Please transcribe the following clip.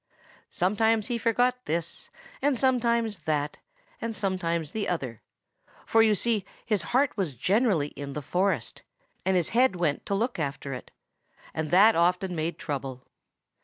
Sometimes he forgot this, and sometimes that, and sometimes the other; for you see his heart was generally in the forest, and his head went to look after it; and that often made trouble.